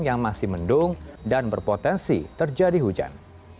yang masih mendung dan berpotensi terjadi hujan